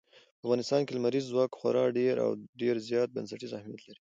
په افغانستان کې لمریز ځواک خورا ډېر او ډېر زیات بنسټیز اهمیت لري.